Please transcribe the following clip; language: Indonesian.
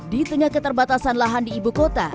di tengah keterbatasan lahan di ibukota